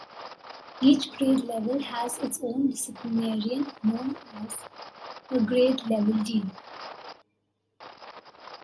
Each grade level has its own disciplinarian known as a grade level dean.